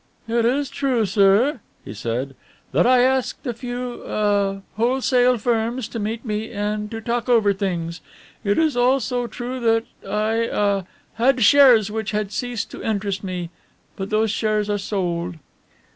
"It is true, sir," he said, "that I asked a few ah wholesale firms to meet me and to talk over things. It is also true that I ah had shares which had ceased to interest me, but those shares are sold."